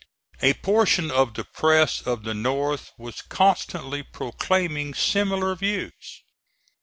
A portion of the press of the North was constantly proclaiming similar views.